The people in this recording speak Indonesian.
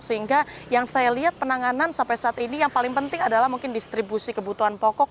sehingga yang saya lihat penanganan sampai saat ini yang paling penting adalah mungkin distribusi kebutuhan pokok